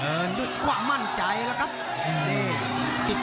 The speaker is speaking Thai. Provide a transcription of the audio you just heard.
เดินด้วยความมั่นใจแล้วครับ